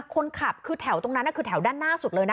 คนขับคือแถวตรงนั้นคือแถวด้านหน้าสุดเลยนะ